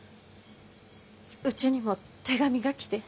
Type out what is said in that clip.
うちにも手紙が来て。